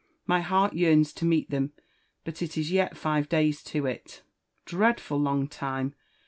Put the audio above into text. My heart yearns to meet them ; but it is yet five days to it." ''Dreadful long time